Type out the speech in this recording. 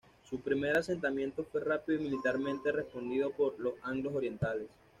Su primer asentamiento fue rápido y militarmente respondido por los anglos orientales.